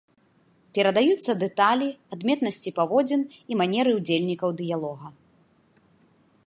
Перадаюцца дэталі, адметнасці паводзін і манеры ўдзельнікаў дыялога.